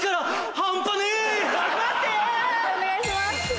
判定お願いします。